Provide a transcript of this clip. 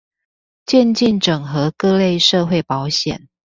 漸進整合各類社會保險